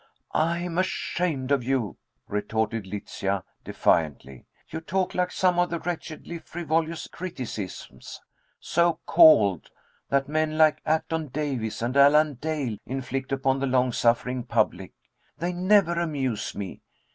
"I'm ashamed of you," retorted Letitia defiantly. "You talk like some of the wretchedly frivolous criticisms, so called, that men like Acton Davies and Alan Dale inflict upon the long suffering public. They never amuse me.